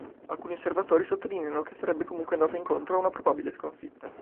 Alcuni osservatori sottolineano che sarebbe comunque andata incontro a una probabile sconfitta.